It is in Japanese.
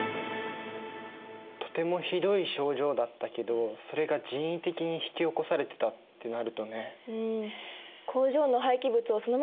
とてもひどい症状だったけどそれが人為的に引き起こされてたってなるとね。